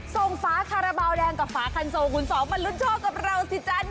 ฝาคาราบาลแดงกับฝาคันโซคุณสองมาลุ้นโชคกับเราสิจ๊ะ